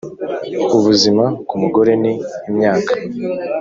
ubuzima ku mugore ni imyaka